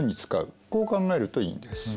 こう考えるといいんです。